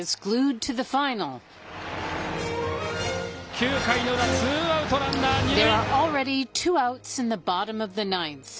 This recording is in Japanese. ９回の裏、ツーアウトランナー２塁。